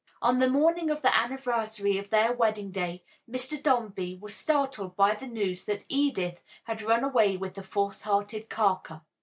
On the morning of the anniversary of their wedding day Mr. Dombey was startled by the news that Edith had run away with the false hearted Carker!